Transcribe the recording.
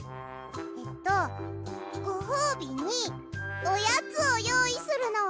えっとごほうびにおやつをよういするのは？